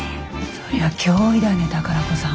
それは脅威だね宝子さん。